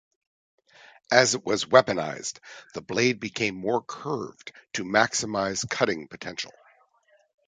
As it was weaponised, the blade became more curved to maximise cutting potential.